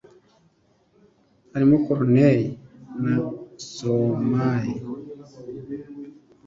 harimo Corneille na Stromae